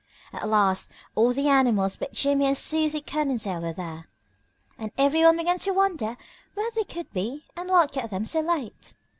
At last all the animals but Jimmie and Susie Cottontail were there, and everyone began to wonder where they could be and what kept them so late.